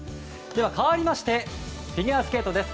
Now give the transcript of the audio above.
かわりましてフィギュアスケートです。